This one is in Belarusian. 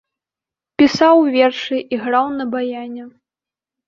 Пісаў вершы, іграў на баяне.